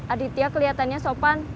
aditya keliatannya sopan